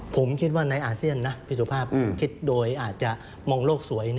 ผมคิดว่าในอาเซียนนะพี่สุภาพคิดโดยอาจจะมองโลกสวย